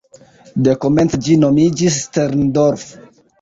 De komence ĝi nomiĝis "Sterndorf".